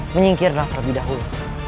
menyingkirlah terlebih dahulu